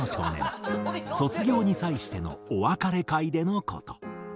卒業に際してのお別れ会での事。